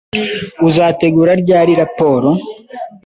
Uzategura ryari raporo?